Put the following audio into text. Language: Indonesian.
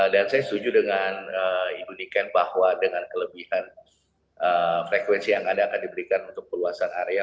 dan saya setuju dengan ibu niken bahwa dengan kelebihan frekuensi yang ada akan diberikan untuk peluasan area